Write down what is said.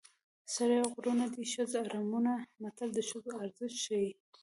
سړي غرونه دي ښځې اړمونه متل د ښځو ارزښت ښيي